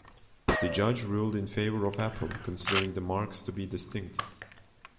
The judge ruled in favor of Apple, considering the marks to be distinct.